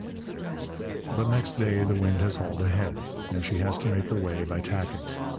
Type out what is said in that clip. But next day the wind has hauled ahead, and she has to make her way by tacking.